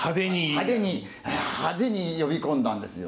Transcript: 派手に呼び込んだんですよ。